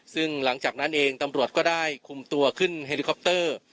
ซึ่งหลังจากนั้นเองตำรวจก็ได้คุมตัวขึ้นเฮลิคอปเตอร์